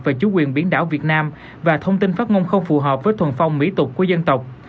và chủ quyền biển đảo việt nam và thông tin phát ngôn không phù hợp với thuần phong mỹ tục của dân tộc